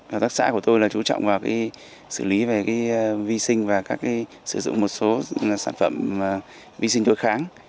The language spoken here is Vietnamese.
hợp tác xã của tôi là chú trọng vào xử lý về vi sinh và sử dụng một số sản phẩm vi sinh đối kháng